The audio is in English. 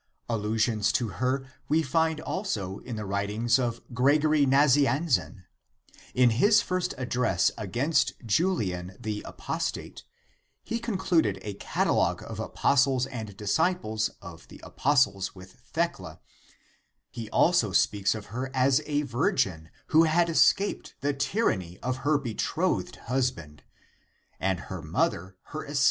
Allusions to her we find also in the writings of Gregory Nazianzen. In his first address against Julian the Apostate,^ he concluded a cat alogue of apostles and disciples of the apostles with Thecla; he also speaks of her as a virgin who had escaped the " tyranny " of her betrothed husband and her mother (Oratio, XXIV.)